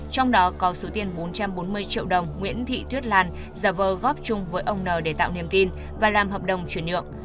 trong đó có số tiền bốn trăm bốn mươi triệu đồng nguyễn thị tuyết lan giả vờ góp chung với ông n để tạo niềm tin và làm hợp đồng chuyển nhượng